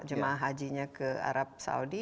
jemaah hajinya ke arab saudi